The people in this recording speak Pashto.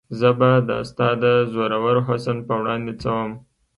زه به د ستا د زورور حسن په وړاندې څه وم؟